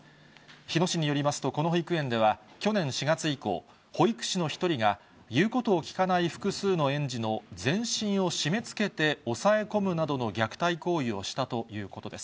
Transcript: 日野市によりますと、この保育園では、去年４月以降、保育士の１人が言うことを聞かない複数の園児の全身を締めつけて押さえ込むなどの虐待行為をしたということです。